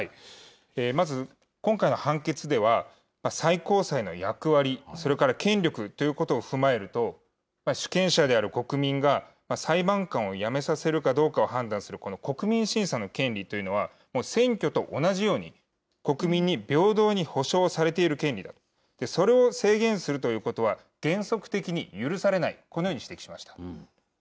まず今回の判決では、最高裁の役割、それから権力ということを踏まえると、主権者である国民が裁判官をやめさせるかどうかを判断する、この国民審査の権利というのは、選挙と同じように国民に平等に保障されている権利だと。それを制限するということは、原則的に許されない、このように指摘しました。